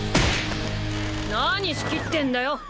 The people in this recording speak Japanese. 何仕切ってんだよ。